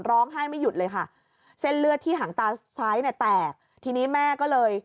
ไม่หยุดเลยค่ะเส้นเลือดที่หางตาซ้ายเนี่ยแตกทีนี้แม่ก็เลย